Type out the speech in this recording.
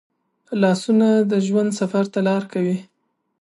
لاسونه د ژوند سفر ته لار کوي